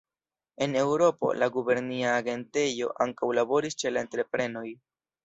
En Eŭropo, la gubernia agentejo ankaŭ laboris ĉe la entreprenoj.